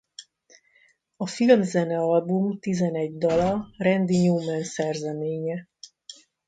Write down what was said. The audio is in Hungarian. A filmzenealbum tizenegy dala Randy Newman szerzeménye.